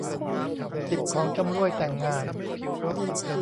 สิบ ของชำร่วยแต่งงาน